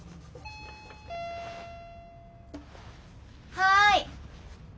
はい！